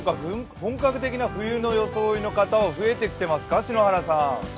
本格的な冬の装いの人は増えてきてますか？